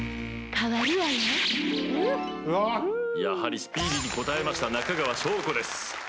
やはりスピーディーに答えました中川翔子です。